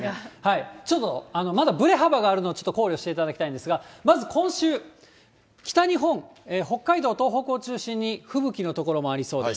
ちょっとまだぶれ幅があるのをちょっと考慮していただきたいんですが、まず今週、北日本、北海道、東北を中心に吹雪の所もありそうです。